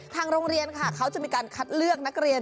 ทางโรงเรียนค่ะเขาจะมีการคัดเลือกนักเรียน